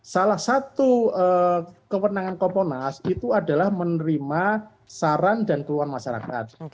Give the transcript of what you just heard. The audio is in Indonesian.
salah satu kewenangan komponas itu adalah menerima saran dan keluhan masyarakat